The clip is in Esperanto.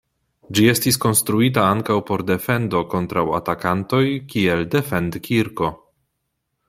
Ĝi estis konstruita ankaŭ por defendo kontraŭ atakantoj, kiel defend-kirko.